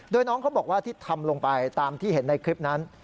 โดยน้องเขาบอกว่าที่ทำลงไปตามที่เห็นในคลิปนั้น